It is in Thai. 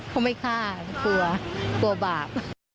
เขาไม่ฆ่ากลัวกลัวบาป